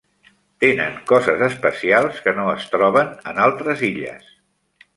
Tenen coses especials que no es troben en altres illes.